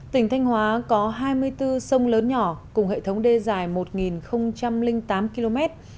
tỉnh thanh hóa có hai mươi bốn sông lớn nhỏ cùng hệ thống đê dài một năm triệu đồng